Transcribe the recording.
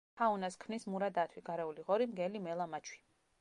ფაუნას ქმნის მურა დათვი, გარეული ღორი, მგელი, მელა, მაჩვი.